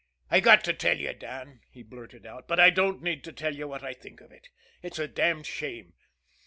"I got to tell you, Dan," he blurted out. "But I don't need to tell you what I think of it. It's a damned shame!